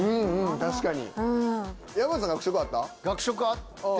確かに。